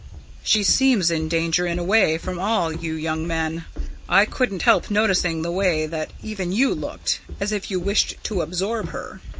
"She seems in danger, in a way, from all you young men. I couldn't help noticing the way that even you looked as if you wished to absorb her!"